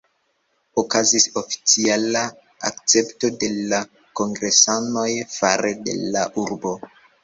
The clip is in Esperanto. Okazis oficiala akcepto de la kongresanoj fare de la urbo.